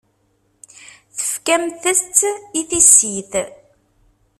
Tefkamt-tt i tissit.